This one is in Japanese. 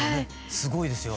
すごいですよ。